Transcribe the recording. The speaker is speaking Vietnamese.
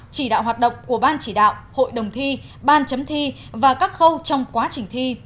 chỉ đạo hoạt động của ban chỉ đạo hội đồng thi ban chấm thi và các khâu trong quá trình thi